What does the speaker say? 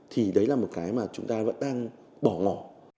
thì đấy là một cái mà chúng ta vẫn đang bỏ ngỏ